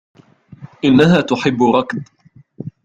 إنها تحب الركض.